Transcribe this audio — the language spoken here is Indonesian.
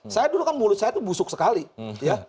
saya dulu kan mulut saya itu busuk sekali ya